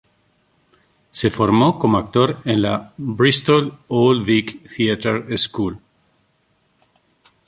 Se formó como actor en la Bristol Old Vic Theatre School.